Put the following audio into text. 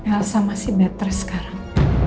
elsa masih better sekarang